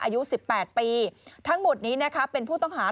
อายุ๑๘ปีทั้งหมดนี้นะคะเป็นผู้ต้องหา